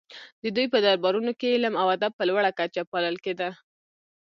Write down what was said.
د دوی په دربارونو کې علم او ادب په لوړه کچه پالل کیده